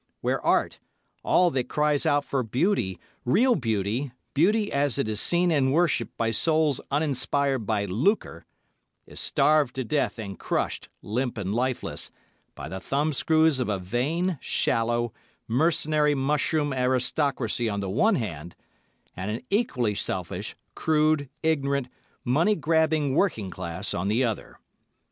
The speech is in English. Where Art—all that cries out for beauty, real beauty, beauty as it is seen and worshipped by souls uninspired by lucre—is starved to death and crushed, limp and lifeless, by the thumbscrews of a vain, shallow, mercenary mushroom aristocracy on the one hand, and an equally selfish, crude, ignorant, money grabbing working class on the other.